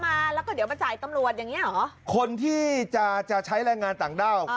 มาแล้วก็เดี๋ยวมาจ่ายตำรวจอย่างเงี้เหรอคนที่จะจะใช้แรงงานต่างด้าว